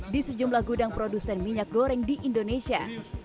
di sejumlah gudang produsen minyak goreng di indonesia